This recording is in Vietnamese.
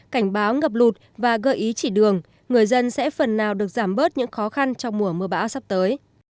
cảnh báo ngập lụt và gợi ý chỉ đường người dân sẽ phần nào được giảm bớt những khó khăn trong mùa mưa bão sắp tới